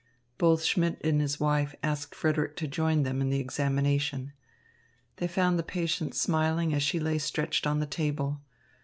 Both Schmidt and his wife asked Frederick to join them in the examination. They found the patient smiling as she lay stretched on the table.